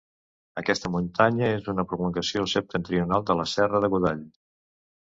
Aquesta muntanya és una prolongació septentrional de la Serra de Godall.